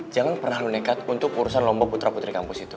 jangan pernah nekat untuk urusan lombok putra putri kampus itu